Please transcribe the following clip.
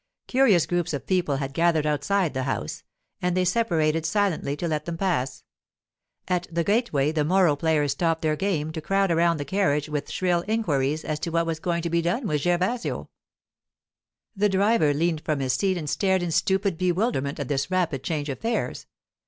Curious groups of people had gathered outside the house, and they separated silently to let them pass. At the gateway the morro players stopped their game to crowd around the carriage with shrill inquiries as to what was going to be done with Gervasio. The driver leaned from his seat and stared in stupid bewilderment at this rapid change of fares.